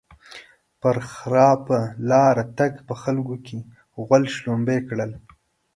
پر خراپه لاره تګ؛ په خلګو کې غول شلومبی کړل.